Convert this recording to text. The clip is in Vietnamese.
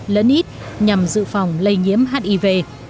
lớn ít nhằm giữ phòng lây nhiễm hiv